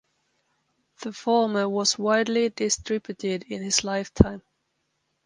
The former was widely distributed in his lifetime.